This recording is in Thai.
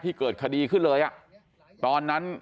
เกิดคดีขึ้นเลยอ่ะตอนนั้น